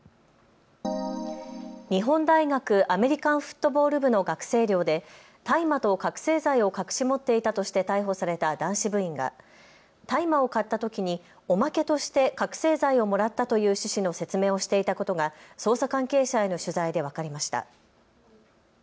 日本大学アメリカンフットボール部の学生寮で大麻と覚醒剤を隠し持っていたとして逮捕された男子部員が大麻を買ったときにおまけとして覚醒剤をもらったという趣旨の説明をしていたことが捜査関係者への取材で分かりました。